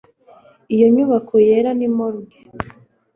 Iyo nyubako yera ni morgue